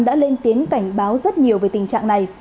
đã lên tiếng cảnh báo rất nhiều về tình trạng này